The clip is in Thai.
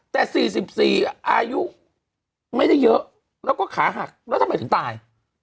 แต่๔๔อายุไม่ได้เยอะแล้วก็ขาหักแล้วทำไมถึงตาย